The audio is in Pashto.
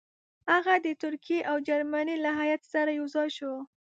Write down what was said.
هغه د ترکیې او جرمني له هیات سره یو ځای شو.